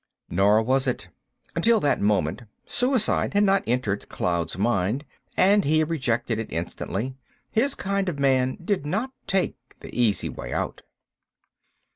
Nor was it. Until that moment, suicide had not entered Cloud's mind, and he rejected it instantly. His kind of man did not take the easy way out.